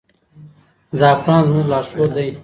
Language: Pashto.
زعفران زموږ لارښود دی.